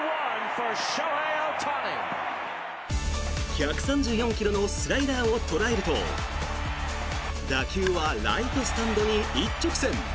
１３４ｋｍのスライダーを捉えると打球はライトスタンドに一直線。